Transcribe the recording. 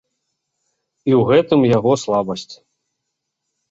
І ў гэтым яго слабасць.